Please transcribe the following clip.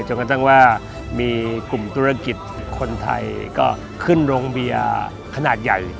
กระทั่งว่ามีกลุ่มธุรกิจคนไทยก็ขึ้นโรงเบียร์ขนาดใหญ่